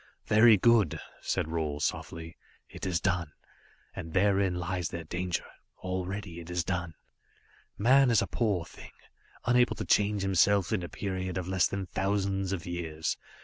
"Very good," said Roal softly. "It is done, and therein lies their danger. Already it is done. "Man is a poor thing, unable to change himself in a period of less than thousands of years.